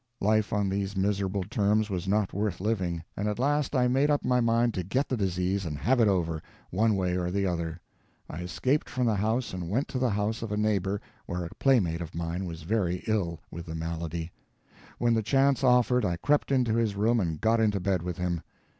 Life on these miserable terms was not worth living, and at last I made up my mind to get the disease and have it over, one way or the other. I escaped from the house and went to the house of a neighbor where a playmate of mine was very ill with the malady. When the chance offered I crept into his room and got into bed with him.